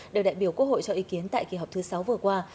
đều đại biểu quốc hội cho ý kiến tại kỳ họp thứ sáu vừa qua